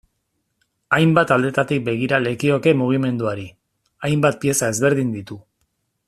Hainbat aldetatik begira lekioke mugimenduari, hainbat pieza ezberdin ditu.